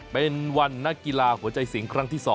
เป็นวันนักกีฬาหัวใจสิงครั้งที่๒